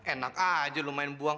enak aja lo main buang